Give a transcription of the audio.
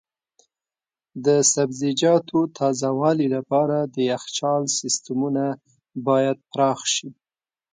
د سبزیجاتو تازه والي لپاره د یخچال سیستمونه باید پراخ شي.